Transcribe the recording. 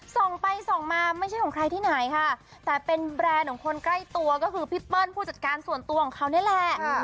ส่องไปส่องมาไม่ใช่ของใครที่ไหนค่ะแต่เป็นแบรนด์ของคนใกล้ตัวก็คือพี่เปิ้ลผู้จัดการส่วนตัวของเขานี่แหละ